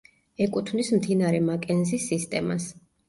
ეკუთვნის მდინარე მაკენზის სისტემას.